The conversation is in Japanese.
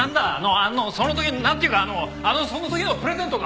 あのその時のなんていうかあのその時のプレゼントか？